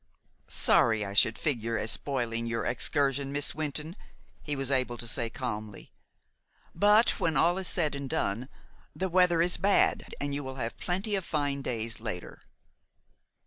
"Sorry I should figure as spoiling your excursion, Miss Wynton," he was able to say calmly; "but, when all is said and done, the weather is bad, and you will have plenty of fine days later."